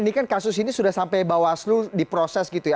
ini kan kasus ini sudah sampai bawaslu diproses gitu ya